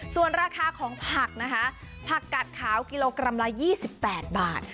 ส่วนราคาของผักนะคะผักกัดขาวกิโลกรัมละ๒๘บาท